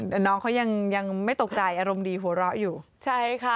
แต่น้องเขายังยังไม่ตกใจอารมณ์ดีหัวเราะอยู่ใช่ค่ะ